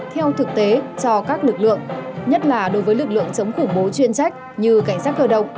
theo thực tế cho các lực lượng nhất là đối với lực lượng chống khủng bố chuyên trách như cảnh sát cơ động